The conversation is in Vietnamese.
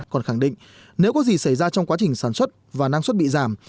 còn khẳng định nếu có gì xảy ra trong quá trình sản xuất và năng suất bị giảm